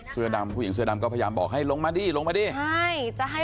เสื้อดำผู้หญิงเสื้อดำก็พยายามบอกให้ลงมาดิลงมาดิใช่จะให้